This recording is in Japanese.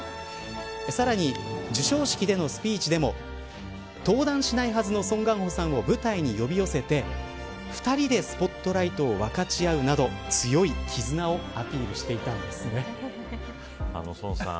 さらに、授賞式でのスピーチでも登壇しないはずのソン・ガンホさんを舞台に呼び寄せて２人でスポットライトを分かち合うなど強い絆をソンさん。